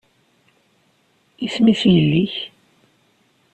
Isem-is yelli-k?